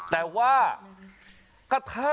แต่ว่ากระทะ